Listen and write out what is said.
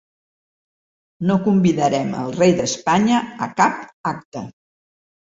No convidarem el rei d’Espanya a cap acte